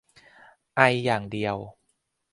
ไออย่างเดียว